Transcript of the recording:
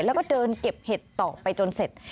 แล้วก็เดินเก็บเห็ดต่อไปจนเสร็จ